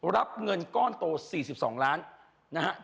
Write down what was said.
รับเงินก้อนโต๔๒ล้านนะครับ